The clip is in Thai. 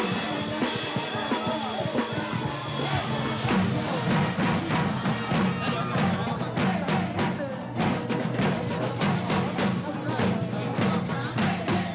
สวัสดีครับถ้าพูดกันก็ได้กับตรงแสนรุชักแจก